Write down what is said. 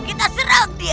kita serang dia